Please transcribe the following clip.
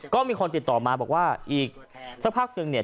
ก็มีคนติดต่อมาบอกว่าอีกสักพักนึงเนี่ย